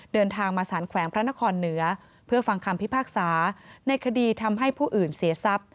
เดินทางมาสารแขวงพระนครเหนือเพื่อฟังคำพิพากษาในคดีทำให้ผู้อื่นเสียทรัพย์